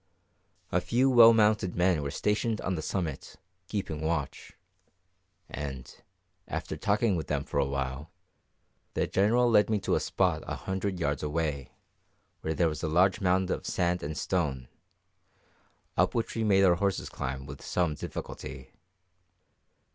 A few well mounted men were stationed on the summit, keeping watch; and, after talking with them for a while, the General led me to a spot a hundred yards away, where there was a large mound of sand and stone, up which we made our horses climb with some difficulty.